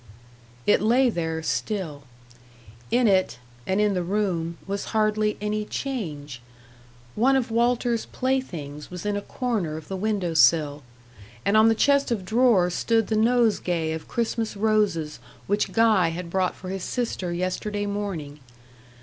It lay there still. In it, and in the room, was hardly any change. One of Walter's playthings was in a corner of the window sill, and on the chest of drawers stood the nosegay of Christmas roses which Guy had brought for his sister yesterday morning.